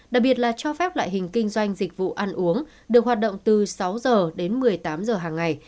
đặc biệt là cho phép loại hình kinh doanh dịch vụ ăn uống được hoạt động từ sáu h đến một mươi tám giờ hàng ngày